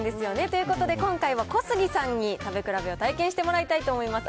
ということで、今回も小杉さんに食べ比べを体験してもらいたいと思います。